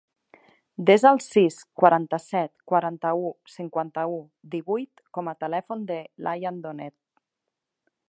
Desa el sis, quaranta-set, quaranta-u, cinquanta-u, divuit com a telèfon de l'Ayaan Donet.